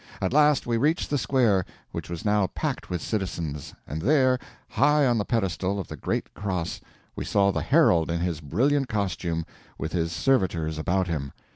At last we reached the square, which was now packed with citizens, and there, high on the pedestal of the great cross, we saw the herald in his brilliant costume, with his servitors about him.